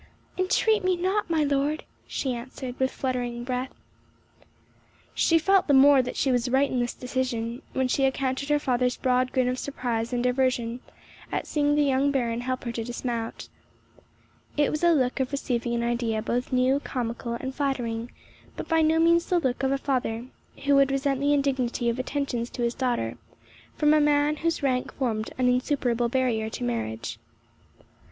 "Entreat me not, my lord," she answered, with fluttering breath. She felt the more that she was right in this decision, when she encountered her father's broad grin of surprise and diversion, at seeing the young Baron help her to dismount. It was a look of receiving an idea both new, comical, and flattering, but by no means the look of a father who would resent the indignity of attentions to his daughter from a man whose rank formed an insuperable barrier to marriage.